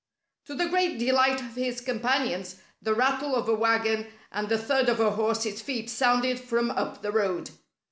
To the great delight of his companions, the rattle of a wagon and the thud of a horse's feet sounded from up the road.